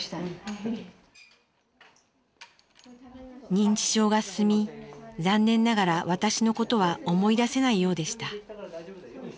認知症が進み残念ながら私のことは思い出せないようでした。